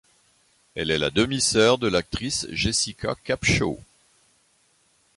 Elle est la demi-sœur de l'actrice Jessica Capshaw.